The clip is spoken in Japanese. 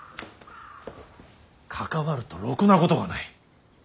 関わるとろくなことがない。